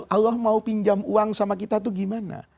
allah mau pinjam uang sama kita tuh gimana